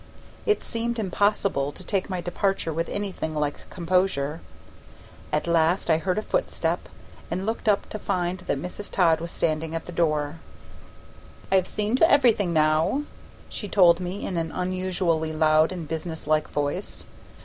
It seemed impossible to take my departure with anything like composure. At last I heard a footstep, and looked up to find that Mrs. Todd was standing at the door. "I've seen to everything now," she told me in an unusually loud and business like voice.